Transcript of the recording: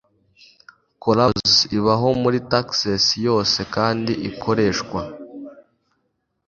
calaboose ibaho muri texas yose kandi ikoreshwa